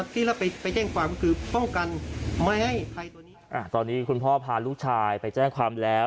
ตอนนี้คุณพ่อพาลูกชายไปแจ้งความแล้ว